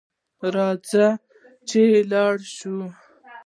راځه چي ولاړ سو .